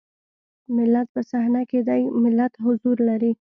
ملت په صحنه کې دی ملت حضور لري.